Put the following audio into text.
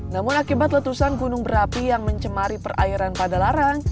namun akibat letusan gunung berapi yang mencemari perairan padalaran